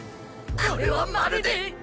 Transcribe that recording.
これはまるで。